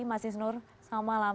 mas isnur selamat malam